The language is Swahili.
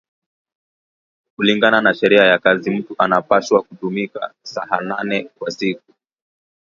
Kulingana na sheria ya kazi mutu anapashwa kutumika saha nane kwa siku